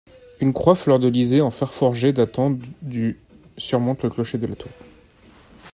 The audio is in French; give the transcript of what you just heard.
Une croix fleurdelysée en fer forgé datant du surmonte le clocher de la tour.